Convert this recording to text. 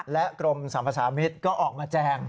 และกรมสำหรับสามิทก็ออกมาแจง